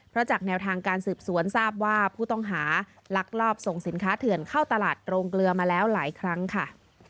เพราะจากแนวทางการสืบสวนทราบว่าผู้ต้องหาลักลอบส่งสินค้าเถื่อนเข้าตลาดโรงเกลือมาแล้วหลายครั้งค่ะ